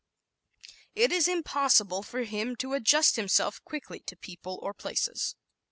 It is impossible for him to adjust himself quickly to people or places.